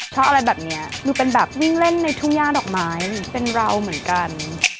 เพราะอะไรแบบนี้คือเป็นแบบวิ่งเล่นในทุ่งย่าดอกไม้หรือเป็นเราเหมือนกัน